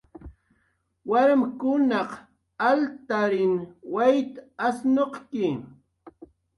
Warmkunaq altarin wayt asnuquwi